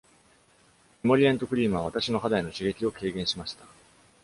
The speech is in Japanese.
エモリエントクリームは私の肌への刺激を軽減しました。